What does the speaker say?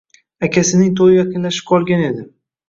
Akasining toʻyi yaqinlashib qolgan edi.